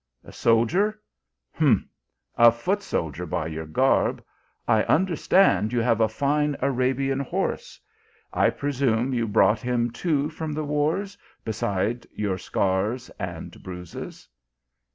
"A soldier? humph ! a foot so. dier ty your garb. I understand you have a fine Arabian horse. I pre sume you brought him too from the wars, beside your scars and bruises."